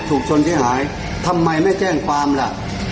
ถูกชนเสียหายทำไมไม่แจ้งความล่ะ